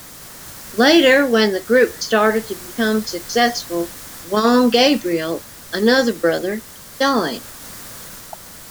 Later, when the group started to become successful, Juan Gabriel, another brother, joined.